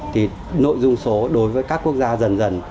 thì nội dung số đối với các quốc gia dần dần